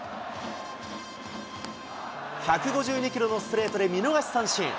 １５２キロのストレートで見逃し三振。